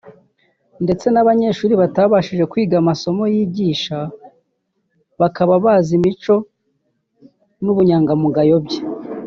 ndetse n’abanyeshuri batabashije kwiga amasomo yigisha bakaba bazi imico n’ubunyangamugayo bye